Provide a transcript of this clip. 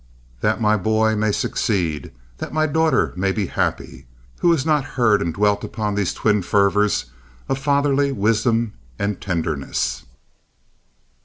"That my boy may succeed! That my daughter may be happy!" Who has not heard and dwelt upon these twin fervors of fatherly wisdom and tenderness?